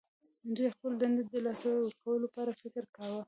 دوی د خپلو دندو د لاسه ورکولو په اړه فکر کاوه